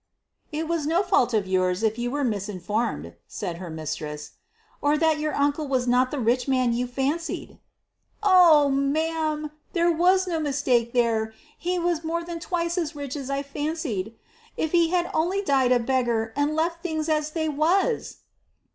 "It was no fault of yours if you were misinformed," said her mistress, "or that your uncle was not the rich man you fancied." "Oh, ma'am, there was no mistake there! He was more than twice as rich as I fancied. If he had only died a beggar, and left things as they was!"